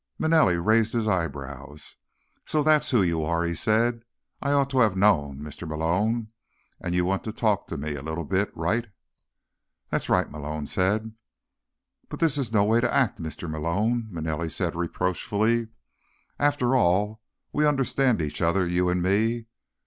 Manelli raised his eyebrows. "So that's who you are," he said. "I ought to have known, Mr. Malone. And you want to talk to me a little bit, right?" "That's right," Malone said. "But this is no way to act, Mr. Malone," Manelli said reproachfully. "After all, we understand each other, you and me.